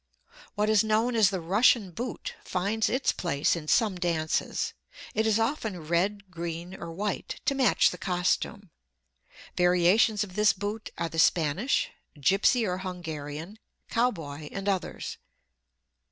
What is known as the Russian boot finds its place in some dances. It is often red, green, or white, to match the costume. Variations of this boot are the Spanish, Gypsy or Hungarian, Cowboy, and others.